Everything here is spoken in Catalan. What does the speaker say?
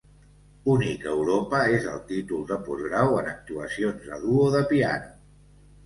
Únic a Europa és el títol de postgrau en actuacions a duo de piano.